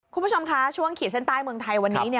คุณผู้ชมคะช่วงขีดเส้นใต้เมืองไทยวันนี้เนี่ย